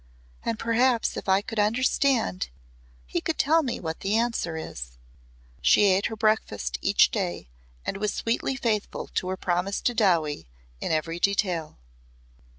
And perhaps if I could understand he could tell me what the answer is." She ate her breakfast each day and was sweetly faithful to her promise to Dowie in every detail.